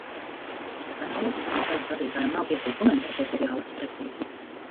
Es atvainojos, jo sēdes vadītājam nav tiesību komentēt, bet ir jālasa precīzi.